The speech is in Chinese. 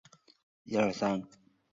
末任中华人民共和国卫生部部长。